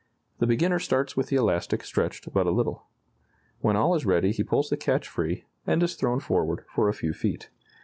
The beginner starts with the elastic stretched but a little. When all is ready he pulls the catch free, and is thrown forward for a few feet.